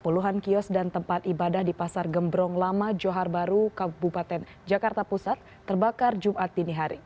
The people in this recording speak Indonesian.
puluhan kios dan tempat ibadah di pasar gembrong lama johar baru kabupaten jakarta pusat terbakar jumat dini hari